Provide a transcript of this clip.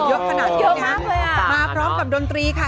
เยอะขนาดเดียวนะฮะมาพร้อมกับดนตรีค่ะ